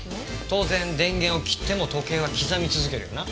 当然電源を切っても時計は刻み続けるよな？